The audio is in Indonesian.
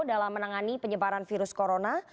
dalam menangani penyebaran virus corona